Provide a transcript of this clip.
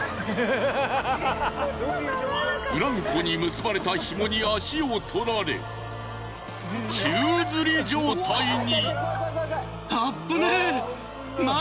ブランコに結ばれた紐に足を取られ宙づり状態に。